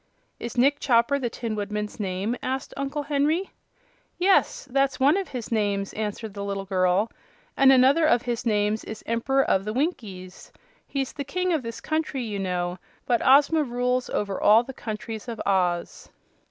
"Is Nick Chopper the Tin Woodman's name?" asked Uncle Henry. "Yes; that's one of his names," answered the little girl; "and another of his names is 'Emp'ror of the Winkies.' He's the King of this country, you know, but Ozma rules over all the countries of Oz."